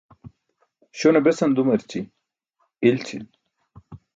Śone besan dumarci? İlći̇n.